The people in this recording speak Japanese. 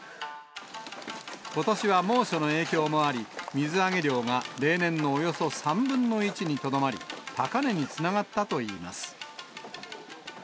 ことしは猛暑の影響もあり、水揚げ量が例年のおよそ３分の１にとどまり、高値につながったといいます。